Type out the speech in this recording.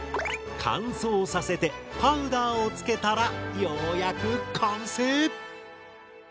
乾燥させてパウダーをつけたらようやく完成！